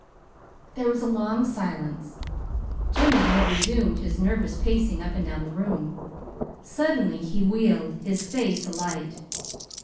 There was a long silence. Jimmy had resumed his nervous pacing up and down the room. Suddenly he wheeled, his face alight.